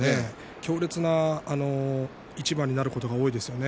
強烈な一番になることが多いですよね。